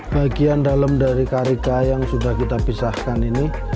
bagian dalam dari karika yang sudah kita pisahkan ini